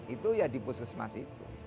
itu ya dipuskesmasi